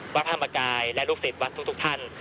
พระธรรมกายและลูกศิษย์วัดทุกท่าน